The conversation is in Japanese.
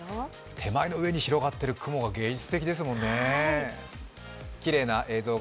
手前の上に広がっている雲が芸術的ですね。